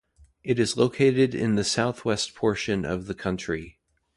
It is located in the southwest portion of the county.